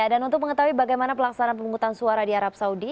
dan untuk mengetahui bagaimana pelaksanaan pemungutan suara di arab saudi